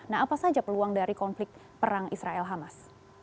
nah apa saja peluang dari konflik perang israel hamas